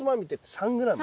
３ｇ。